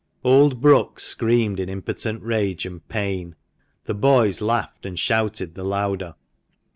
Old Brookes screamed in impotent rage and pain ; the boys laughed and shouted the louder.